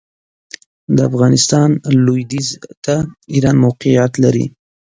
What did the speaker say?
د افغانستان لوېدیځ ته ایران موقعیت لري.